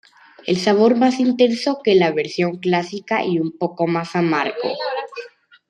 El sabor es más intenso que la versión clásica, y un poco más amargo.